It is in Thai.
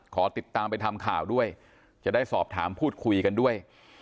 ขอติดตามไปทำข่าวด้วยจะได้สอบถามพูดคุยกันด้วย